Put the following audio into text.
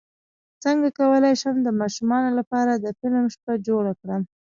څنګه کولی شم د ماشومانو لپاره د فلم شپه جوړه کړم